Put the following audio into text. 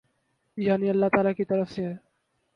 یعنی اﷲ تعالی کی طرف سے ہے۔